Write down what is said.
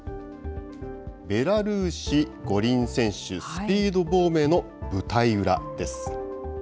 ベラルーシ五輪選手、スピード亡命の舞台裏です。